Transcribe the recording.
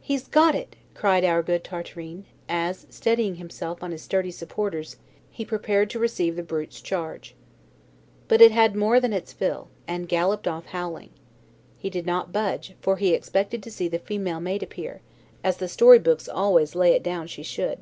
"He's got it!" cried our good Tartarin as, steadying himself on his sturdy supporters, he prepared to receive the brute's charge. But it had more than its fill, and galloped off; howling. He did not budge, for he expected to see the female mate appear, as the story books always lay it down she should.